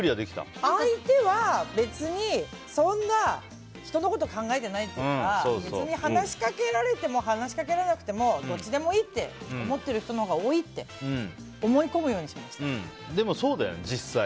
相手は別にそんな人のこと考えてないっていうか別に話しかけられても話しかけられなくてもどっちでもいいって思ってる人のほうが多いってでも、そうだよね実際。